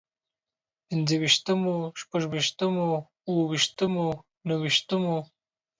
پنځه ويشتمو، شپږ ويشتمو، اووه ويشتمو، نهه ويشتمو